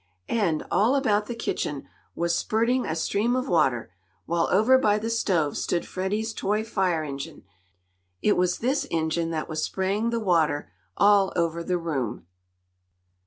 And, all about the kitchen was spurting a stream of water, while over by the stove stood Freddie's toy fire engine. It was this engine that was spraying the water all over the room.